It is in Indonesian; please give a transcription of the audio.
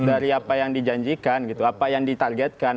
dari apa yang dijanjikan gitu apa yang ditargetkan